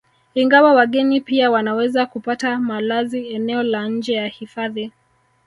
Ingawa wageni pia wanaweza kupata malazi eneo la nje ya hifadhi